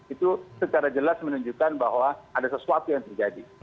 itu secara jelas menunjukkan bahwa ada sesuatu yang terjadi